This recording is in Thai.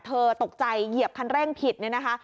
เธอตกใจเหยียบคันเร่งผิด